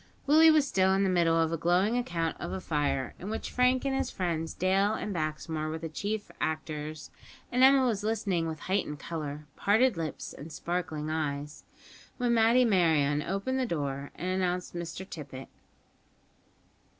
Willie was still in the middle of a glowing account of a fire, in which Frank and his friends Dale and Baxmore were the chief actors; and Emma was listening with heightened colour, parted lips, and sparkling eyes, when Matty Merryon opened the door and announced Mr Tippet.